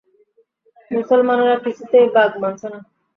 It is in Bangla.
মুসলমানেরা কিছুতেই বাগ মানছে না।